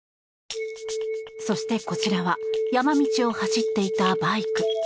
そして、こちらは山道を走っていたバイク。